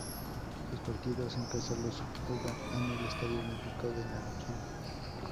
Sus partidos en casa los juegan en el Estadio Olímpico de Nankín.